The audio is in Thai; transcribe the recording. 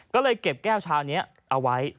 ก็เลยเก็บแก้วชานี้เอาไว้